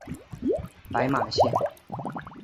白马线